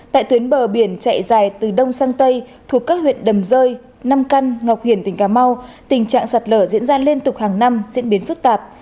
tại tuyến bờ biển chạy dài từ đông sang tây thuộc các huyện đầm rơi năm căn ngọc hiển tỉnh cà mau tình trạng sạt lở diễn ra liên tục hàng năm diễn biến phức tạp